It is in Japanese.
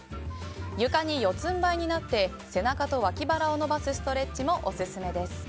床に四つんばいになって背中と脇腹を伸ばすストレッチもオススメです。